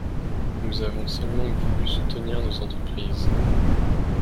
Nous avons seulement voulu soutenir nos entreprises